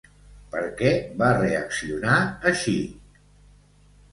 Per què va reaccionar així?